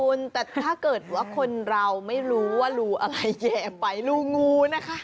คุณแต่ถ้าเกิดว่าคนเราไม่รู้ว่ารูอะไรแห่ไปรูงูนะคะ